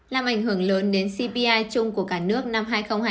làm ảnh hưởng lớn đến cpi chung của cả nước năm hai nghìn hai mươi